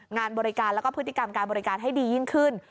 งานบริการแล้วก็พฤติกรรมการบริการให้ดียิ่งขึ้น